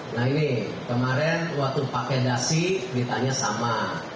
nah ini kemarin waktu pakai dasi ditanya sama